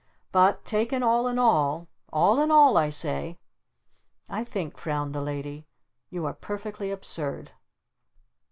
But taken all in all, all in all I say " "I think," frowned the Lady, "you are perfectly absurd."